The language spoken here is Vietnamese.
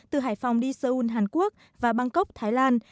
từ hải phòng đi seoul hàn quốc và bangkok thái lan